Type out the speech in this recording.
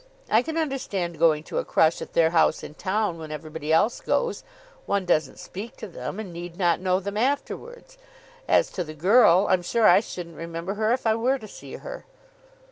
"I can understand going to a crush at their house in town when everybody else goes. One doesn't speak to them, and need not know them afterwards. As to the girl, I'm sure I shouldn't remember her if I were to see her."